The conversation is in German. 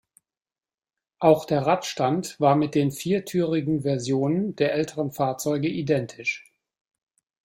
Auch der Radstand war mit den viertürigen Versionen der älteren Fahrzeuge identisch.